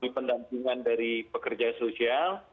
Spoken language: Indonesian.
pendampingan dari pekerja sosial